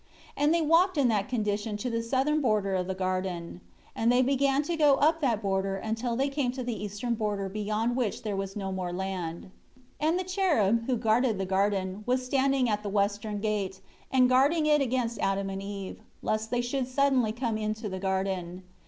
2 And they walked in that condition to the southern border of the garden. And they began to go up that border until they came to the eastern border beyond which there was no more land. 3 And the cherub who guarded the garden was standing at the western gate, and guarding it against Adam and Eve, lest they should suddenly come into the garden.